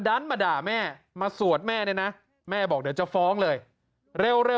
ดันมาด่าแม่มาสวดแม่เนี่ยนะแม่บอกเดี๋ยวจะฟ้องเลยเร็ว